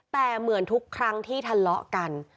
แต่เหมือนทุกครั้งที่ทะเลาะกัน